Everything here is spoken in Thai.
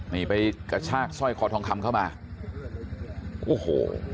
นี่ไปกระชากสร้อยคอทองคำเข้ามาโอ้โห